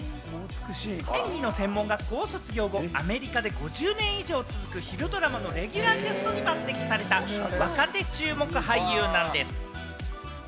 演技の専門学校を卒業後、アメリカで５０年以上続く昼ドラマのレギュラーキャストに抜てきされた若手注目俳優なんです。